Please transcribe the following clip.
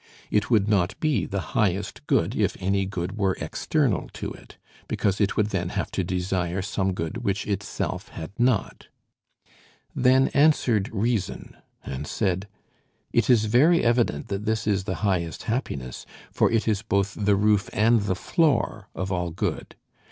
It would not be the highest good if any good were external to it, because it would then have to desire some good which itself had not. Then answered Reason, and said: It is very evident that this is the highest happiness, for it is both the roof and the floor of all good.